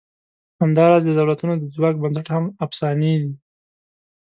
همدا راز د دولتونو د ځواک بنسټ هم افسانې دي.